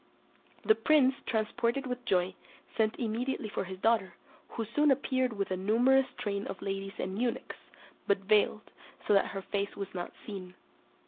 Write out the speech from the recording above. The prince, transported with joy, sent immediately for his daughter, who soon appeared with a numerous train of ladies and eunuchs, but veiled, so that her face was not seen.